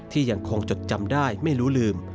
ที่ยังคงจดจำได้ไม่ลุลืม